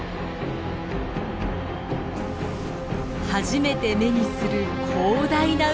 初めて目にする広大な海。